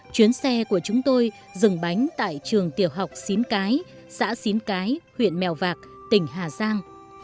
chuyến xe của chúng tôi dừng bánh tại trường tiểu học xín cái xã xín cái huyện mèo vạc tỉnh hà giang